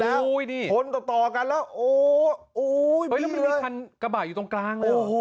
ไอ้จริงมันมีคันกระบ่าอยู่ตรงกลาง